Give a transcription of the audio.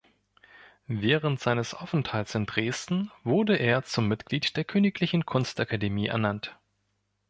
Während seines Aufenthalts in Dresden wurde er zum Mitglied der königlichen Kunstakademie ernannt.